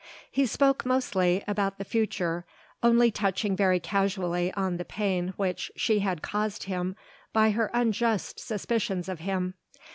He spoke mostly about the future, only touching very casually on the pain which she had caused him by her unjust suspicions of him.